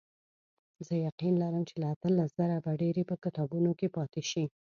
زه یقین لرم چې له اتلس زره به ډېرې په کتابونو کې پاتې شي.